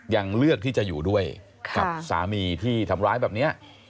ยังเลือกที่จะอยู่ด้วยกับสามีที่ทำร้ายแบบนี้